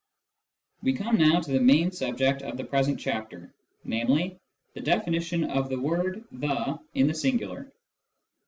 We come now to the main subject of the present chapter, namely, the definition of the word the (in the singular).